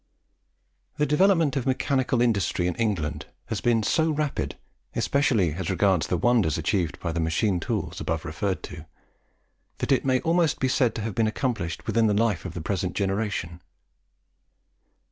The development of the mechanical industry of England has been so rapid, especially as regards the wonders achieved by the machine tools above referred to, that it may almost be said to have been accomplished within the life of the present generation.